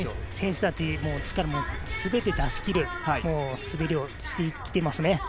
選手たちも力をすべて出し切る滑りをしてきていますね。